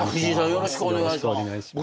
よろしくお願いします